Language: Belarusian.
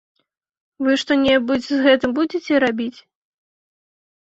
Вы што-небудзь з гэтым будзеце рабіць?